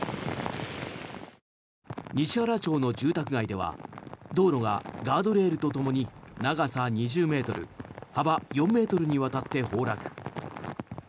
西原町の住宅街では道路がガードレールとともに長さ２０ｍ、幅４ｍにわたって崩落。